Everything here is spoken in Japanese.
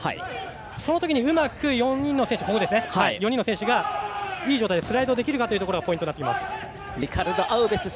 そのときに、うまく４人の選手がいい状態でスライドできるかがポイントになってきます。